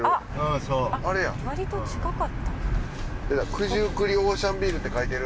九十九里オーシャンビールって書いてる。